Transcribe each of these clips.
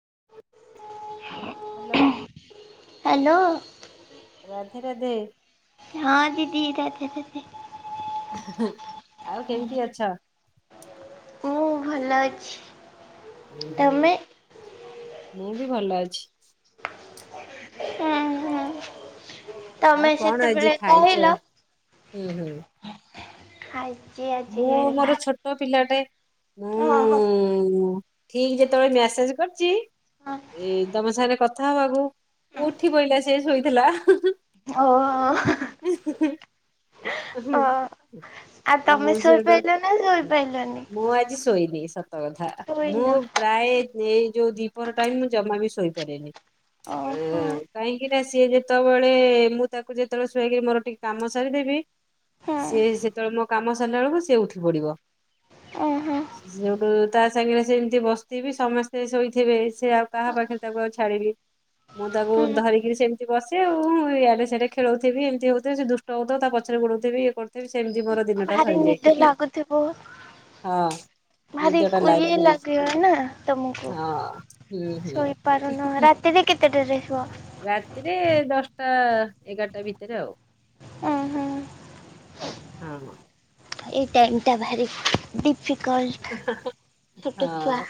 [inaudible] Hello hello Radhe Radhe ହଁ ଦିଦି ର ସେ ଆଉ କେମିତି ଅଛ? ମୁଁ ଭଲ ଅଛି। ତମେ ମୁଁ ବି ଭଲ ଅଛି। ହଁ ହଁ। ଆଉ ତମେ କଣ ଆଜି ସେତେବେଳେ ଖାଇଛ? କହିଲ ହୁଁ ହୁଁ। ଖାଇ ମୁଁ ମୋର ଛୋଟ ପିଲାଟେ ଓ ହୋ। ମୁଁ ଠିକ ଯେତଳେ ମେସେଜ କରୁଛି ଏଇ ତମ ସାଙ୍ଗ କଥା କଥା ହବାକୁ ଉଠି ବୋଇିଲା ସି ଶୋଇଥିଲା। ହ [inaudible] ଆଉ ଅହମ୍ ତମେ ଶୋଇପାରିଲ ନା ଶୋଇପାରିଲନି? ବ ସ ହଉଧା ମୁଁ ଶୋଇନ ପ୍ରାୟ ଏଇ ଯୋଉ ଦିପର ଟାଇମ ମୁଁ ଜମା ବି ଶୋଇପାରେନି। ଅ ଓହୋ କହିଁ କି? ହୋ ସିଏ ଯେତେବେଳେ ମୁଁ ତାକୁ ଯେତେବେଳେ ଶୁଆଇକରି ମୋର ଟିକେ କାମ ସାରିଦେବି ହୁଁ ସିଏ ସେତେବେଳେ ମୋ କାମ ସରିଲା ବେଳକୁ ସି ଉଠି ପଡିବ। ଓହୋ ସେଠୁ ତା ସାଙ୍ଗରେ ସେମିତି ବସିଥିବି ସମସ୍ତେ ଶୋଇଥିବେ ସେ ଆଉ କାହା ପାଖରେ ତାକୁ ଆଉ ଛାଡିବି। ମୁଁ ତାକୁ ହୁଁ ଧରିକିରି ସେମିତି ବସେ ଆଉ ଆଡେ ସେ ଖେଳଉଥିବି ଏମିତି ହଉଥିବି ସେ ଦୁଷ୍ଟ ହଉଥିବ ତା ପଛରେ ଗୋଡ଼ଉଥିବି ଏ କରୁଥିବି ସେମିତି ମୋର ଦିନଟା ଭାରି ସରିଯାଏ। ନିଦ ଲାଗୁଥିବ ହଁ ଭାରି ନିଦଟା ଇଏ ଲାଗି ଲାଗିବ ନା ତମକୁ ହଁ ହୁଁ ହୁଁ। ଶୋଇପାରୁନ ରାତିରେ କେତେଟାରେ ଶୁଅ ରାତିରେ ଦଶଟା ଟା ଏଗାରଟା ଭିତରେ ଆଉ ହୁଁ ହୁଁ। ହଁ ହଁ। ଏଇ ଟାଇମ୍ ଟା ଭାରି ବି ଡିଫିକଲଟ୍ ଛୋଟ ଛୁଆ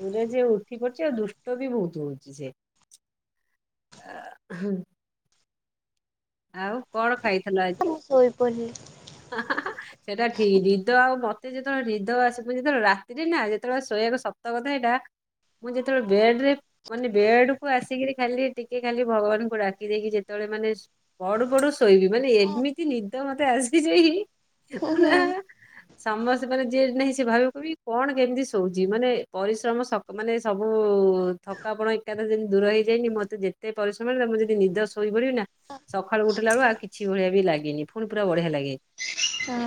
ପରେ ଯେ ଉଠି ପଡୁଛି ଆଉ ଦୁଷ୍ଟ ବି ବହୁତ ହଉଛି ସେ ହଁ। ଆଉ କଣ ଖାଇଥିଲ ଆଜି? ମୁଁ ଶୋଇପିଡିଲି ସେଇଟା ଠିକ୍ ନିଦ ଆଉ ମତେ ଯେତେବେଳେ ନିଦ ଆସିବ ଯେତେବେଳେ ରାତିରେ ନା ଯେତେବେଳେ ଶୋଇବାକୁ ସତ କଥା ଏଇଟା ମୁଁ ଯେତେବେଳେ ବେଡ୍ ରେ ମାନେ ବେଡ୍ କୁ ଆସିକିରି ଖାଲି ଟିକେ ଖାଲି ଭଗବାନଙ୍କୁ ଡାକି ଦେଇକି ଯେତେବେଳେ ମାନେ ପଡୁ ପଡୁ ଶୋଇବି ମାନେ ହଁ ଏମିତି ନିଦ ମତେ ଆସି ସେ ହି ହୁଁ ନା ହୁଁ ସମସ୍ତେ ମାନେ ଯିଏ ନାହିଁ ସେ ଭାବିବ କହିବି କଣ କେମିତି ଶୋଉଛି ମାନେ ପରିଶ୍ରମ ମାନେ ସବୁ ଥକାପଣ ଏକାଥରେ ଯେମିତି ଦୂର ହେଇଯାଏନି ମତେ ଯେତେ ପରିଶ୍ରମ ହେଲେ ମୁଁ ଯଦି ନିଦରେ ଶୋଇ ପଡିବି ନା ସକାଳୁ ଉଠିଲାବେଳୁକୁ ଆଉ କିଛି ଭଳିଆ ବି ଲାଗେନି ପୁଣି ପୁରା ବଢିଆ ଲାଗେ।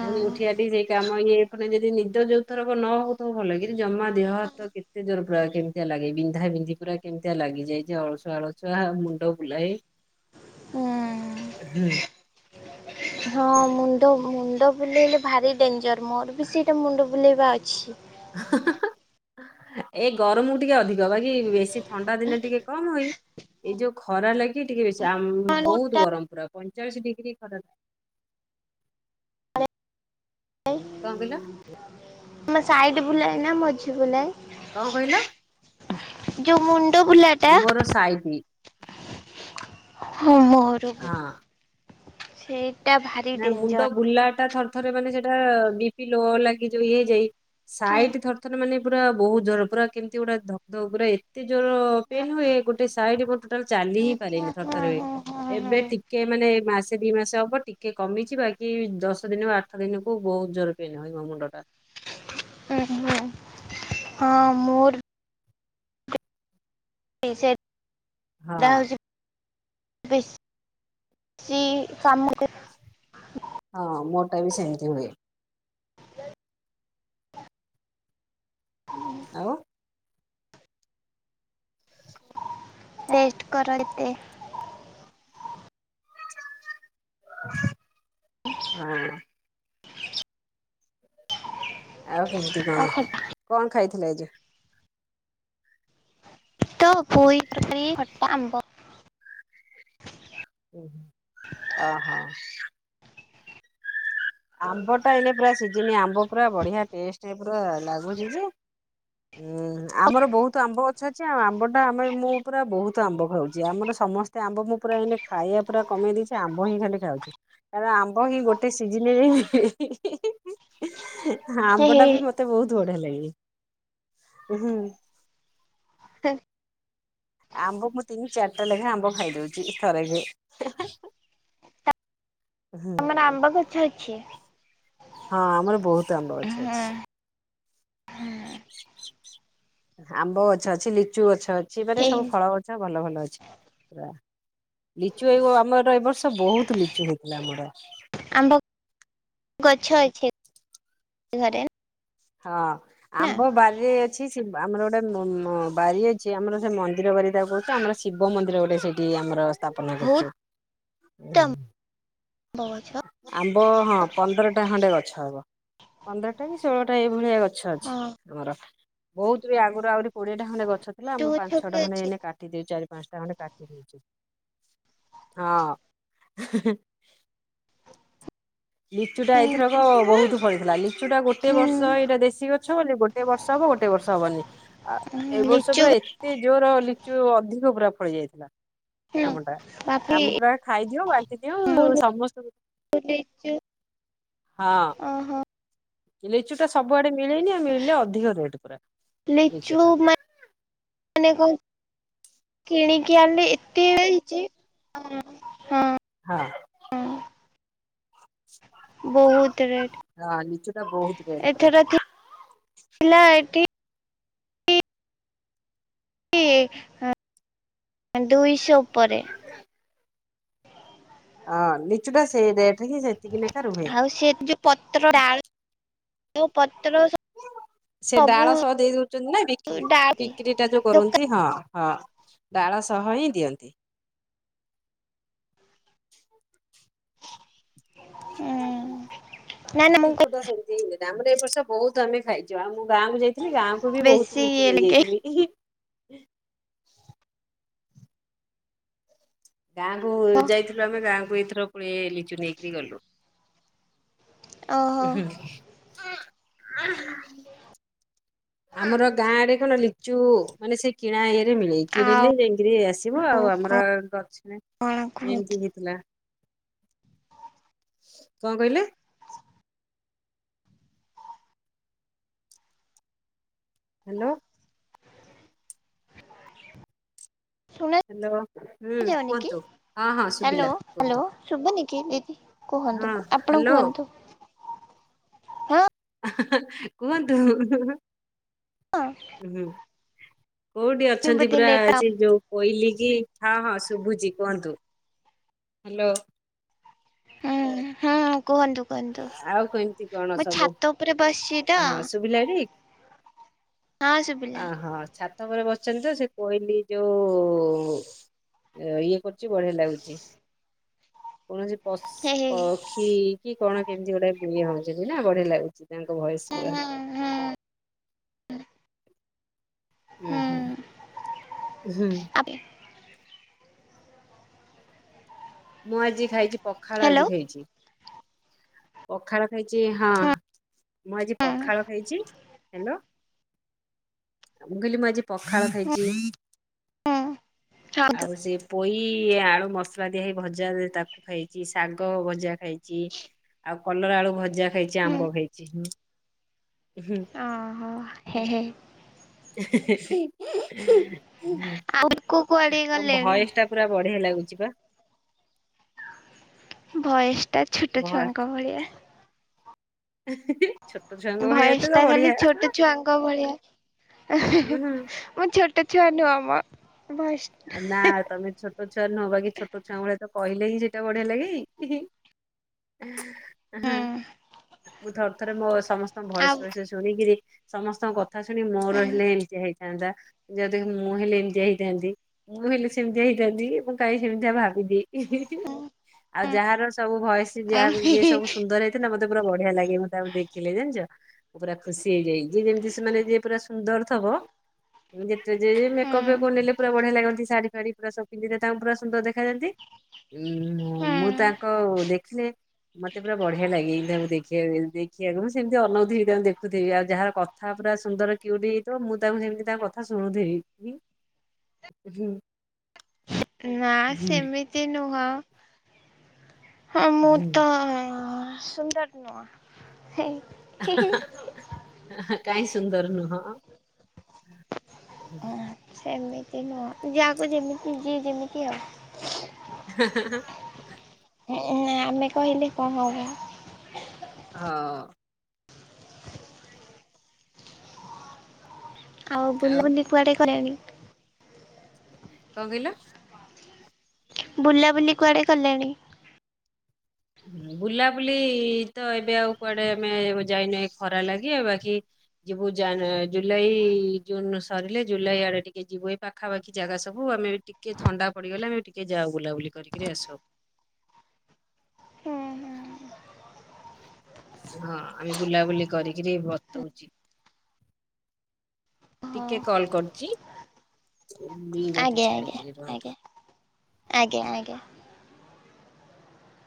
ପୁଣି ଉଠି ଆଠିକି ସେଇ କାମ ଇଏ‌ କରି ଯଦି ନିଦ ଯୋଉଥରକ ନ ହଉଥ ଭଲ କିନ୍ତୁ ଜମା ଦେହ ହାତ କେତେ ଜୋର ପୁରା କେମିତିଆ ଲାଗେ ବିନ୍ଧା ବିନ୍ଧି ପୁରା କେମିତିଆ ଲାଗିଯାଏ ଯେ ଅଳସୁଆ ଅଳସୁଆ ମୁଣ୍ଡ ବୁଲାଏ ହୁଁ। ହଁ ମୁଣ୍ଡ ମୁଣ୍ଡ ବୁଲେଇଲେ ଭାରି ଡେଞ୍ଜର। ମୋର ବି ସେଇଟା ମୁଣ୍ଡ ବୁଲେଇବା ଅଛି। ଏ ଗରମକୁ ଟିକେ ଅଧିକ ବାକି ବେଶୀ ଥଣ୍ଡା ଦିନେ ଟିକେ କମ୍ ହୁଏଇ ଏଇ ଯୋଉ ଖରା ଲାଗି ଟିକେ ବେଶୀ ଜାମ୍ ବହୁତ କୋଉଟା ଗରମ ପୁରା- ପଇଁଚାଳିଶ ଡିଗ୍ରୀ ଖରା କଣ କହିଲ [unintelligible] ମ ସାଇଡ ବୁଲାଏ ନା ମଝି ବୁଲାଏ? କଣ କହିଲ? ଯୋଉ ମୁ ମୋର ସାଇଟି [inaudible] ହଁ ମୋର ବି ହଁ। ସେଇ- ନା ମୁଣ୍ଡ ବୁଲା ଟା ଥର ଥରେ ମାନେ ସେଇଟା ବି-ପି ଲୋ ଲାଗି ଯଉ ଇଏ ହେଇଯାଏ ହଁ ହଁ ସାଇଟ ଥରେ ଥରେ ମାନେ ପୁରା ବହୁତ ଜୋର ପୁରା କେମିତି ଗୋଟେ ଧକ୍ ଧକ୍ ପୁରା ଏତେ ଜୋର ପେନ୍ ହୁଏ ଗୋଟେ ସାଇଡ ଟୋଟାଲ ଚାଲି ହିଁ ହଁ ପାରେନି ଥର ଥରେ। ହଁ ଏବେ ଟିକେ ମାନେ ମାଶ୍ ଏଇ ଦିଇ ମାସ ହବ ଟିକେ ଟିକେ କମିଛି ବାକି ଦଶ ଦିନ ବା ଆଠ ଦିନିକୁ ବହୁତ ଜୋର ପେନ୍ ହୁଏ ମୋ ମୁଣ୍ଡ ଟା। ଓ ହ ହଁ ମୋର ସେ ହଁ ଯାହା ହଉଛି ବେଶ ବେଶି କାମ। ହଁ ମୋଟା ବି ସେମତି ହୁଏ। ଆଉ ରେଷ୍ଟ କରାଇଦେ। ହଁ [inaudible] ଆଉ କେମତି ଆଉ କଣ ଖଟା କଣ ଖାଇଥିଲେ। ଭେଜ। ତ ପୋଇ ତରକାରୀ ଖଟା ଆମ୍ବ। ଓ ଓ ହୋ। ଆମ୍ବ ଟା ଏଇନେ ପୁରା ସିଜିନ ଆମ୍ବ ପୁରା ବଢିଆ ଟେଷ୍ଟ ପୁର ଲାଗୁଛି ଯେ। ହୁଁ ଆମର ବହୁତ ଆମ୍ବ ଅ ଆଛା ଆଛା ଆମ୍ବଟା ଆମେ ମୁଁ ପୁରା ବହୁତ ଆମ୍ବ ଖାଉଛି ଆମର ସମସ୍ତେ ଆମ୍ବ ମୁଁ ପୁରା ଏ ଖାଇବା ପୁରା କମେଇ ଦେଇଛି ଆମ୍ବ ହିଁ ଖାଲି ଖାଉଛି କାରଣ ଆମ୍ବ ହିଁ ଗୋଟେ ସିଜି ଜିନି ହିଁ ହି ହି। ହଁ ହେ ଆମ୍ବ ହେ ଟା ବି ମତେ ବହୁତ ବଢିଆ। ହେଲାଣି ଉହୁଁ। ଥେ [unintelligible] ଆମ୍ବ ମୁଁ ତିନି ଚାରିଟା ଲେଖାଏଁ ଆମ୍ବ ଖାଇଦଉଛି ଥରେକେ। ଆମେନା ଆମ୍ବ କାଛି [unintelligible] ଅଛି। ହଁ ଆମର ବହୁତ ଆମ୍ବ ଗଛ ହଁ। ଅଛି। ଆମ୍ବ ଗଛ ଅଛି ଲିଚୁ ଅଛି। ଗଛ ଅଛି ହେ ପରେ ସବୁ ଫଳ ଗଛ ଭଲ ଭଲ ଅଛି ପୁରା। ଲିଚୁ ଏଓ ଆମର ଏ ବର୍ଷ ବହୁତ ଲିଚୁ ହେଇଥିଲା ଆମର। ଆମ୍ବ ଗଛ ଅଛି ଘରେ। ହଁ ନା ଆମ୍ବ ବାରିରେ ଅଛି। ଆମର ଗୋଟେ ବ ମା ବାରି ଅଛି, ଆମର ସେ ମନ୍ଦିର ବାରି ଟା ହଉଛି ଆମର ଶିବ ମନ୍ଦିର ଗୋଟେ ସେଇଠି ଆମର। ଥାପନା ବହୁତ କରିଛୁ। ଆମ୍ବ ଗଛ ଆମ୍ବ ହଁ ପନ୍ଦରଟା ଖଣ୍ଡେ ଗଛ ହବ ପନ୍ଦରଟା କି ଷୋହଳଟା ଏଇଭଳିଆ ଗଛ ଅଛି ହଁ ଆମର। ବହୁତ ବି ଆଗରୁ ଆହୁରି। କୋଡିଏଟା ଖଣ୍ଡେ ଗଛ ଲିଚୁ ଆମେ ଗଛ ବି ପାଞ୍ଚଛଟା ଖଣ୍ଡେ ଅଛି ଏଇେନେ କାଟିଦେଇଛୁ। ପାଞ୍ଚଟା ଖଣ୍ଡେ କାଟିଦେଇଛୁ, ହଁ ହିଁ ହିଁ ହିଁ। ହୁଁ ପଡି ଥିଲା। ଲିଚୁ ଟା ଗୋଟେ ହୁଁ ବର୍ଷ ଏଇଟା ଦେଶୀ ଗଛ ବୋଲି ଗୋଟେ ବର୍ଷ ହବ ଗୋଟେ ବର୍ଷ ହବନି ଆ ଏ ବର୍ଷ ଲିଚୁ ପୁରା ଏତେ ଜୋର ଲିଚୁ ଅଧିକ ପୁରା। ଖଳି ଯାଇଥିଲା। ହୁଁ ଆମଟା ବାପି ଆମ ଟା ଖାଇଦିଅ ବାନଟି ଦିଅ ସମସ୍ତଙ୍କୁ। ହଁ ଅ ହୋ ଲିଚୁ ଟା ସବୁଆଡେ ମିଲେନି ମିଳିଲେ ଅଧିକ ରେଟ ପା ଲିଚୁ କିଣି କିି ଆଁଳି ଇ ଇଯି ହଁ ହଁ ବହୁତ ରେଟ ହଁ ଲିଚୁ ଟା ବହୁତ ରେଟ୍ ପୁରା। ଏଥରଥି ଥିଲା ଏଠି। ଇ ଦୁଇଶହ ଉପରେ ହଁ ନିଚୁଟା ସେଇଦ ଆଉ ସେ ଯୋଉ ପତ୍ରଡା ତୁ ପ ସେ ଡାଳ ସହ ଦେଇଦଉଛନ୍ତି ନା ବିକି ଡାଳ ବିକ୍ରି ଟା ଯୋଉ ଦୋକାନ କରନ୍ତି ହଁ ହଁ। ଡାଳ ସହ ହିଁ ଦିଅନ୍ତି। [inaudible] ହୁଁ। ନା ନା ମୁଁ ମିଛୁଟା ସେମତି ହେଲେ। ଦାମର ଏ ବର୍ଷ ବହୁତ ଆମେ ଖାଇଛୁ ଆମ ଗାଁକୁ ଯାଇଥିଲି ଗାଁକୁ କହି- ବି ବହୁତ ବେଶୀ ଲିଚି ଇଏ ଲାଗେ ନେଇଯାଇଥିଲି। [inaudible] ଗାଁକୁ ଯାଇଥିଲୁ ଆମେ ଗାଁକୁ ଏଇଥର ପୁଳେ ଲିଚୁ ନେଇକରି ଗଲୁ। ଓହୋ ହୁଁ ଆମର ଗାଁରେ କଣ ଲିଚୁ ମାନେ ସିଏ କିଣା ଇ ମିିଳେ ଆଉ କିଣିଲେ ଯାଇଁକିରି ଆସିବ ଆଉ ଆମର ଗଛ କଣ କୁହନ୍ତୁ ଏମତି ହେଇଥିଲା। କଣ କହିଲେ? ହାଲୋ ଶୁଣା ହାଲୋ ହୁଁ ଯାଉନି କି? କୁହନ୍ତୁ ହଁ ହଁ ସୁଭିଲା କୁହନ୍ତୁ। କେମିତି? ହଁ କୁହନ୍ତୁ ଆପଣ ହ୍ୟାଲୋ କୁହନ୍ତୁ। ହଁ କୁହନ୍ତୁ? ହଁ ଉହୁଁ କୋଉଠି ଅଛନ୍ତି ବୋଧେ ପୁରା ନେଟୱାର୍କ ସେ ଯୋଉ କୋଇଲି ହଁ ହଁ ଶୁବୁଛି କୁହନ୍ତୁ ହାଲୋ ହୁଁ ହୁଁ କୁହନ୍ତୁ କୁହନ୍ତୁ ଆଉ କେମିତି କଣ ମୁଁ ସବୁ ଛାତ ଉପରେ ବସିଚି ତ ଶୁଭିଲାଟି ହଁ ଶୁଭିଲା ଆ ହଁ ଛାତ ଛାତଉପରେ ବସିଛନ୍ତି ତ ସେ କୋଇଲିି ଯୋଉ ଇଏ କରୁଛି ବଢିଆ ଲାଗୁଛି କୌଣସି ପଶ ହେ ହେ ହୁଁ ପକ୍ଷୀ କି କଣ କେମତି ଗୋଟେ ବି ଇଏ ହଉଛନ୍ତି ନା ବଢିଆ ଲାଗୁଚି। ତାଙ୍କ ଭଏସ ପୁରା ହୁଁ ହୁଁ ହୁଁ ହୁଁ ଆବେ ମୁଁ ଆଜି ଖାଇଛି ପଖାଳ ଆଜି ହ୍ୟାଲୋ। ଖାଇଛି। ପଖାଳ ଖାଇଛି ହଁ ମୁଁ ଆଜି ପଖାଳ ଖାଇଛି। ହ୍ୟାଲୋ ମୁ କହିଲି ମୁଁ ଆଜି ପଖାଳ ଖାଇଛି ହୁଁ ଆଉ ସେ ପୋଇ ଇଏ ଆଳୁ ମସଲା ଦିଇ ଭଜା ତାକୁ ଖାଇଛି ଶାଗ ଭଜା ଖାଇଛି ଆଉ କଲରା ଆଳୁ ଭଜା ଛି ଖାଇଛି ଆମ୍ୱ ଖାଇଛି। ଓ ହ ହେ ହେ ହୁଁ ହୁଁ ଆଉ କୁ କୁଆଡ଼େ ତମ ଗଲେଣି ଭଏସ ଟା ପୁରା ବଢିଆ ଲାଗୁଛି ବା ଭଏସ ଟା ଛୋଟ ଭଏ ଛୁଆଙ୍କ ଭଳିଆ। [inaudible] ଛୁଆଙ୍କ ଭଳିଆ ଏତେ ଭଏସ ତ ଟା ଖାଲି ବଢିଆ। ଛୋଟ ଛୁଆଙ୍କ ଭଳିଆ। ମୁଁ ଛୋଟ ଛୋଟ ଛୁଆ ନୁହଁ ମ ଭଏସ ନା ତମେ ଛୋଟ ଛୁଆ ନୁହଁ ବାକି ଛୋଟ ଛୁଆ ଙ୍କ ଭଳିଆ ତ କହିଲେ ହିଁ ସେଇଟା ବଢିଆ ଲାଗେ ହିଁ ହିଁ ଉଁ ହୁଁ ଥର ଥରେ ବୋର୍ ସମସ୍ତ୍ ଆଉ ଭଏସ ଫଏସ ଶୁଣିକିରି ସମସ୍ତଙ୍କ କଥା ଶୁଣି ମୋର ହୁଁ ହେଲେ ଏମିତିଆ ହେଇଥାନ୍ତା ଯିଦି ମୁଁ ହେଲେ ଏମିତିଆ ହେଇଥାନ୍ତି। ମୁଁ ହେଲେ ସେମିତିଆ ହେଇଥାନ୍ତି ମୁ କାଁଇଁ ସେମିତିଆ ଭାବିଦିଏ। ଆଉ ଯାହାର ସବୁ ଭଏସି ଯାହାକୁ ଯିଏ ସବୁ ସୁନ୍ଦର ହେଇଥିଲ‌ ମ ତେ ପୁରା ବଢିଆ ଲାଗେ ମୁଁ ତାକୁ ଦେଖିଲେ ଜାଣିଚ। ପୁରା ଖୁସି ହେଇଯାଇ ଯିଏ ଯେମିତି ସେମାନେ ଯେ ପୁରା ସୁନ୍ଦର ଥବ ଯେତେ ଯେ ମେକପ୍ ଫେକପ୍ ହୁଁ ନେଲେ ପୁରା ବ କି ଶାଢୀ ଫାଢୀ ପୁରା ସବୁ ପିନ୍ଧିଲେ ତାଙ୍କୁ ପୁରା ସୁନ୍ଦର ଦେଖାଯାନ୍ତି। ଉଁ ମୁଁ ତାଙ୍କୁ ଦେଖିଲେ ମତେ ପୁରା ବଢିଆ ଲାଗେ ତାଙ୍କୁକୁ ଦେଖିବାକୁ ଦେଖିବାକୁ ମୁଁ ସେମତି ଅନଉଥିବି ତାଙ୍କୁ ଦେଖୁଥିବି ଆଉ ଯାହା କଥା ପୁରା ସୁନ୍ଦର କିୟୁଟ୍ ହେଇଥିବ ମୁଁ ତାଙ୍କୁ ସେମିତି ତାଙ୍କ କଥା ଶୁଣୁଥିବି। ହୁଁ। ନାଁ ହୁଁ ସେମିତି ନୁହଁ। ହଁ ମୁଁ ହୁଁ। ତ ସୁନ୍ଦର ନୁଅ ହେଇ କାଇଁ ସୁନ୍ଦର ନୁହଁ? ହୁଁ। ସେମିତି ନୁହଁ ଯାହାକୁ ଯେମିତି ଯିଏ ଯେମିତି ଆଉ। ହଁ ହଁ ହଁ ଏ ନାଁ ଆମେ କହିଲେ କଁ ହବ? ହଁ। ଆଉ କଣ ବୁଲବୁଲି କୁଆଡ଼େ କରିବେନି? କଁ କହିଲ? ବୁଲାବୁଲି କୁଆଡ଼େ କଲେଣି? ଉଁ ବୁଲାବୁଲି ତ ଏବେ ଆଉ କୁଆଡ଼େ ଆମେ ଯାଇନୁ ଏଇ ଖରା ଲାଗି ଆଉ ବାକି ଯିବୁ ଯାନ୍ ଜୁଲାଇ ଜୁନ ସରିଲେ ଜୁଲାଇ ଆଡେ ଟିକେ ଯିବୁ ଏଇ ପାଖାପାଖି ଜାଗା ସବୁ ଆମେ ଟିକେ ଥଣ୍ଡା ପଡିଗଲେ ଆମେ ଟିକେ ଯାଉ ବୁଲାବୁଲି କରିକିରି ଆସୁ। ହଁ ହଁ ଆମେ ବୁଲାବୁଲି କରିକିରି ବତାଉଚି। ଟିକେ କଲ କରୁଚି। ଆଜ୍ଞା ଆଜ୍ଞା ଆଜ୍ଞା ଆଜ୍ଞା ଆଜ୍ଞା।